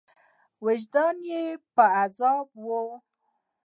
وجدان یې په عذابوي.